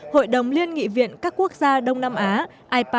hội đồng liên nghị viện các quốc gia đông nam á ipa bốn mươi